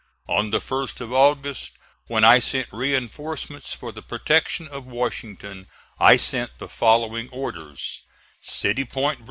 On the 1st of August when I sent reinforcements for the protection of Washington, I sent the following orders: CITY POINT, VA.